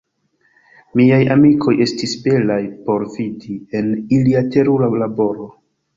Miaj amikoj estis belaj por vidi, en ilia terura laboro.